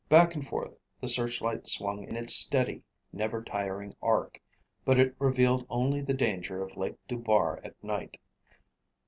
Back and forth the searchlight swung in its steady, never tiring arc, but it revealed only the danger of Lake Dubar at night.